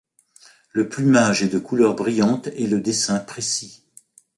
Le plumage est de couleur brillante et le dessin précis.